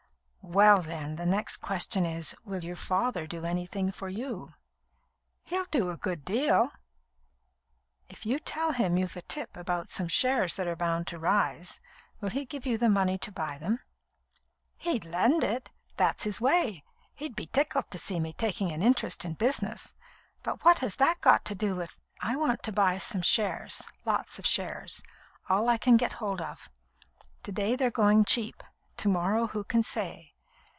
"Well, then, the next question is: Will your father do anything for you?" "He'll do a good deal." "If you tell him you've a tip about some shares that are bound to rise, will he give you the money to buy them?" "He'd lend it. That's his way. He'd be tickled to see me taking an interest in business. But what has that got to do with " "I want to buy some shares lots of shares all I can get hold of. To day they're going cheap. To morrow, who can say?